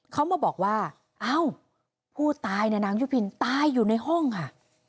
เขามาบอกว่าเอ้าผู้ตายเนี่ยนางยุพินตายอยู่ในห้องค่ะ